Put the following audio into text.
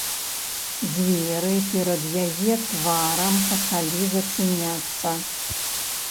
Дзверы перад яе тварам пачалі зачыняцца.